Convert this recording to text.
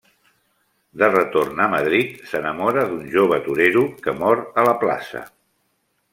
De retorn a Madrid, s'enamora d'un jove torero, que mor a la plaça.